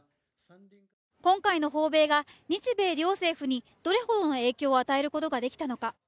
今回の訪米が日米両政府にどれほどの影響を与えることができたのか。